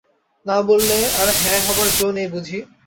না বল্পে আর হ্যাঁ হবার জো নেই বুঝি?